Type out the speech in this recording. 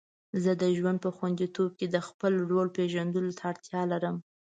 زه د ژوند په خوندیتوب کې د خپل رول پیژندلو ته اړتیا لرم.